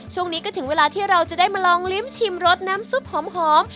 ช่วงนี้ก็ถึงเวลาที่เราจะได้มาลองลิ้มชิมรสน้ำซุปหอม